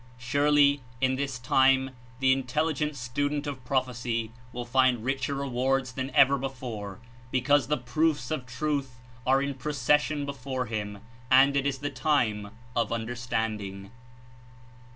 Surely, in this time the intelligent stu dent of prophecy will find richer rewards than ever before, because the proofs of truth are in procession before him, and it is the time of understanding.